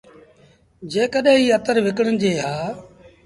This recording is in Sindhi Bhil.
جيڪڏهينٚ ايٚ اتر وڪڻجي هآ